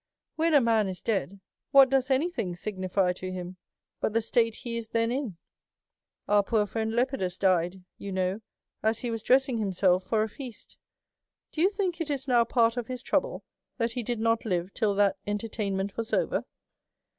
When a man is dead \ what does anyTlTThg^signify to him, but the state he is j then in? ' "Our poor friend Lepidus died, you know, as he was dressing himself for a feast. Do you think it is now part of his trouble that he did not live till that entertainment was over?